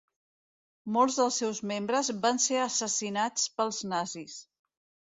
Molts dels seus membres van ser assassinats pels nazis.